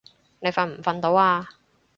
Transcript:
你瞓唔瞓到啊？